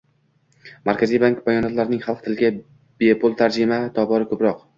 Markaziy bank bayonotining xalq tiliga bepul tarjimasi tobora ko'proq